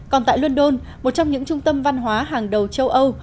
còn tại london một trong những trung tâm văn hóa hàng đầu châu âu